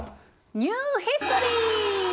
ニューヒストリー！